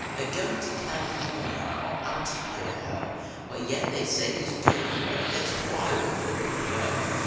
Or goin to Californy or out to Idaho But yet they say he s goin away ; that s why we re filled with woe.